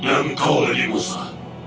dan kau lagi musa